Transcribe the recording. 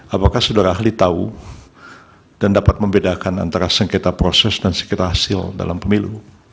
apakah saudara ahli tahu dan dapat membedakan antara sengketa proses dan sekitar hasil dalam pemilu